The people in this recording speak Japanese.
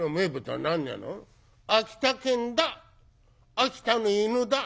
秋田の犬だ」。